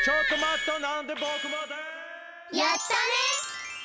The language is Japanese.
やったね！